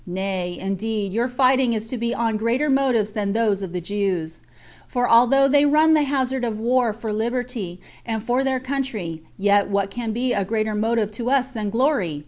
Nay, indeed, your fighting is to be on greater motives than those of the Jews; for although they run the hazard of war for liberty, and for their country, yet what can be a greater motive to us than glory?